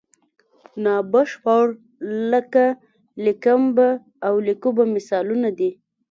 نا بشپړ لکه لیکم به او لیکو به مثالونه دي.